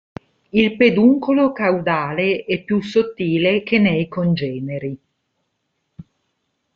Il peduncolo caudale è più sottile che nei congeneri.